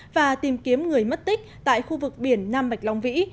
và tìm kiếm người mất tích tại khu vực biển nam bạch long vĩ